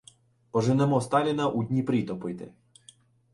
Поженемо Сталіна у Дніпрі топити.